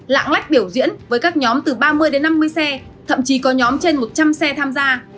lạng lách biểu diễn với các nhóm từ ba mươi đến năm mươi xe thậm chí có nhóm trên một trăm linh xe tham gia